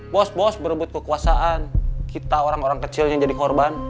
bos bos berebut kekuasaan kita orang orang kecil yang jadi korban